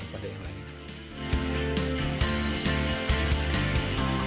missara ingin membangun disini tapi siat tempo